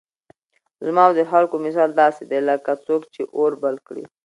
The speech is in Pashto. زما او د خلكو مثال داسي دئ لكه څوك چي اور بل كړي